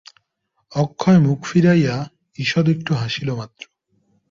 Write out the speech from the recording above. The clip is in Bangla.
অক্ষয় মুখ ফিরাইয়া ঈষৎ একটু হাসিল মাত্র।